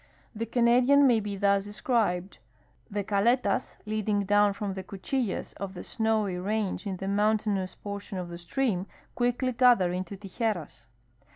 The Canadian mav be thus described :. The caletas leading down from the cuchillas of the Snowy range in the mountain ous })ortion of the stream cpiickly gather into tijeras.